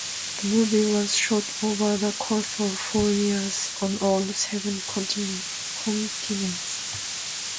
The movie was shot over the course of four years on all seven continents.